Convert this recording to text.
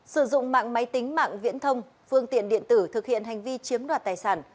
sử dụng mạng máy tính mạng viễn thông phương tiện điện tử thực hiện hành vi chiếm đoạt tài sản